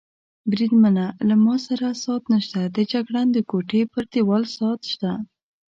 بریدمنه، له ما سره ساعت نشته، د جګړن د کوټې پر دېوال ساعت شته.